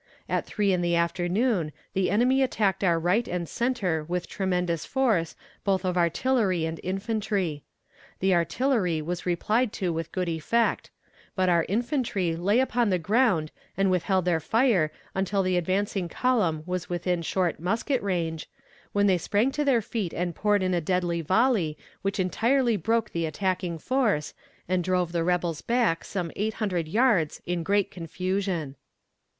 At three in the afternoon the enemy attacked our right and center with tremendous force both of artillery and infantry. The artillery was replied to with good effect, but our infantry lay upon the ground and withheld their fire until the advancing column was within short musket range, when they sprang to their feet and poured in a deadly volley which entirely broke the attacking force, and drove the rebels back some eight hundred yards in great confusion.